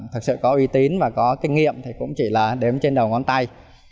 thực sự có uy tín và có kinh nghiệm thì cũng chỉ là đếm trên đầu ngón tay